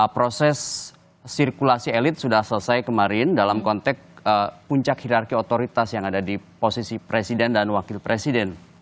proses sirkulasi elit sudah selesai kemarin dalam konteks puncak hirarki otoritas yang ada di posisi presiden dan wakil presiden